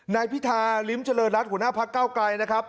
นายพิธาริมเจริญรัฐหัวหน้าพักเก้าไกลนะครับ